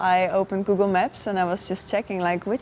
saya membuka google maps dan saya hanya mencari